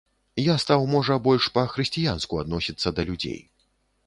Я стаў можа больш па-хрысціянску адносіцца да людзей.